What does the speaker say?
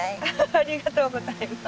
ありがとうございます。